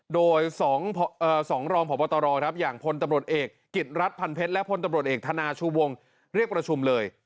โดย๒รองพบตรอย่างพลตำรวจเอกกิจรัฐพันเพชรและพลตำรวจเอกธนาชูวงเรียกประชุมเลย